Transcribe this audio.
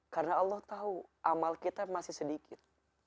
karena allah tahu amal kita masih sedikit